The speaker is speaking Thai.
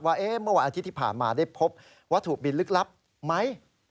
ว่าเมื่อวันอาทิตย์ที่ผ่านมาได้พบวัตถุบินลึกลับไหม